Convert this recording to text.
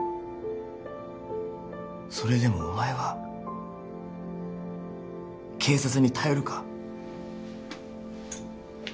それでもお前は警察に頼るか？